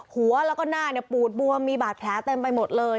หัวแล้วก็หน้าปูดบวมมีบาดแผลเต็มไปหมดเลย